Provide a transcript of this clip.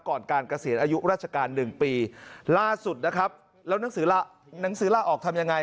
ก่อนการเกษียณอายุราชการ๑ปีล่าสุดนะครับแล้วหนังสือหนังสือลาออกทำยังไง